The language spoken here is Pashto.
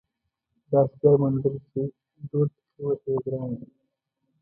داسې ځای موندل چې ډهل پکې ووهې ګران دي.